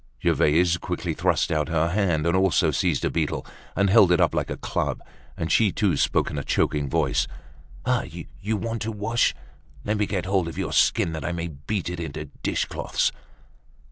Gervaise quickly thrust out her hand, and also seized a beetle, and held it up like a club; and she too spoke in a choking voice, "Ah! you want to wash. Let me get hold of your skin that I may beat it into dish cloths!"